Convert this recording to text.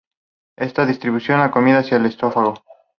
Estos distribuyen la comida hacia el esófago.